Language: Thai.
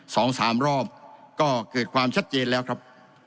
สองสามรอบก็เกิดความชัดเจนแล้วครับ